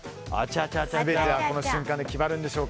この瞬間で決まるでしょうか。